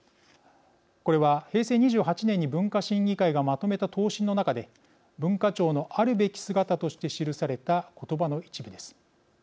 これは、平成２８年に文化審議会がまとめた答申の中で文化庁のあるべき姿として記された言葉の一部です。